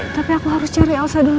tapi aku harus cari alsa dulu